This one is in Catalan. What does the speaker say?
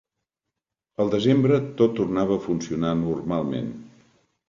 Al desembre tot tornava a funcionar normalment.